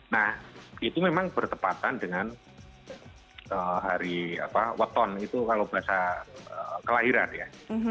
nah itu memang bertepatan dengan hari weton itu kalau bahasa kelahiran ya